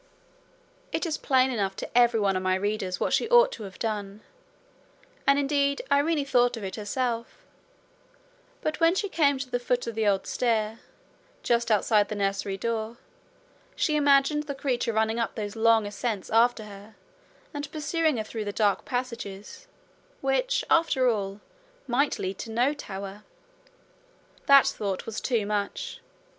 It is plain enough to every one of my readers what she ought to have done and indeed, Irene thought of it herself; but when she came to the foot of the old stair, just outside the nursery door, she imagined the creature running up those long ascents after her, and pursuing her through the dark passages which, after all, might lead to no tower! That thought was too much.